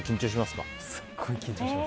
すごい緊張します。